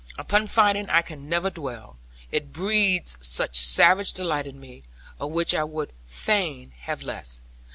Upon fighting I can never dwell; it breeds such savage delight in me; of which I would fain have less.